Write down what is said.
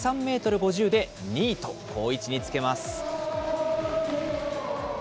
５０で２位と、好位置につけます。